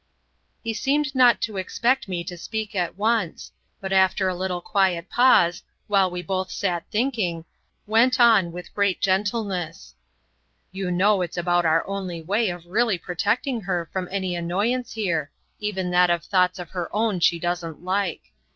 He seemed not to expect me to speak at once, but after a little quiet pause, while we both sat thinking, went on, with great gentleness: "You know it's about our only way of really protecting her from any annoyance here, even that of thoughts of her own she doesn't like.